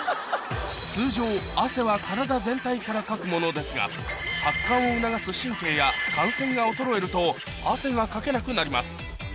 通常汗は体全体からかくものですが発汗を促す神経や汗腺が衰えると汗がかけなくなります